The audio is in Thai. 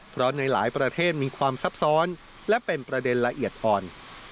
เพราะในหลายประเทศมีความซับซ้อนและเป็นประเด็นละเอียดอ่อน